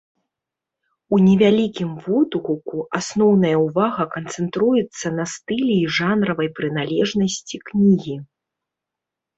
У невялікім водгуку асноўная ўвага канцэнтруецца на стылі і жанравай прыналежнасці кнігі.